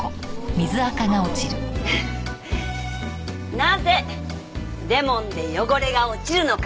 なぜレモンで汚れが落ちるのか？